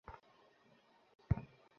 উনার সাথে এসব না হতেও পারতো।